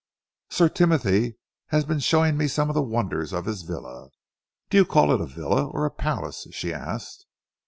"Sir Timothy has been showing me some of the wonders of his villa do you call it a villa or a palace?" she asked.